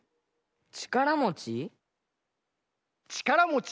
ちからもち？